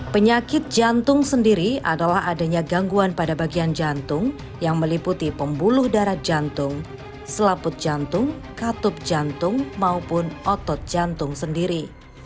penyakit jantung sendiri adalah adanya gangguan pada bagian jantung yang meliputi pembuluh darah jantung selaput jantung katup jantung maupun otot jantung sendiri